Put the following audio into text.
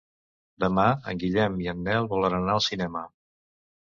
Demà en Guillem i en Nel volen anar al cinema.